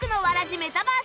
メタバース！